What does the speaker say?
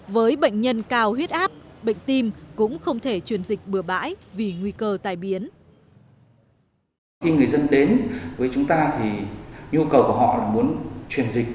với bệnh nhân cao huyết áp bệnh tim cũng không thể truyền dịch bừa bãi vì nguy cơ tai biến